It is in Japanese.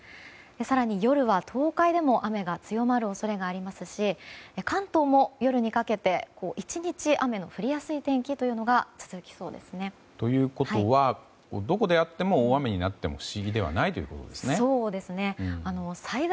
更に夜は東海でも雨が強まる恐れがありますし関東も夜にかけて１日雨の降りやすい天気が続きそうですね。ということはどこで大雨になっても不思議ではないということですね。